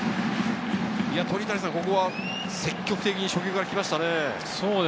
積極的に初球から来ましたね。